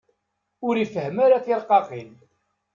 Ur ifehhem ara tirqaqin.